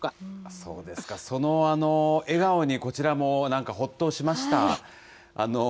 そうですか、その笑顔に、こちらもなんかほっとしました。